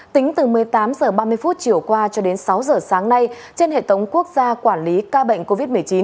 tính từ một mươi tám h ba mươi chiều qua cho đến sáu giờ sáng nay trên hệ thống quốc gia quản lý ca bệnh covid một mươi chín